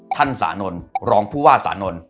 ท่านสานนลรองผู้ว่าสานนล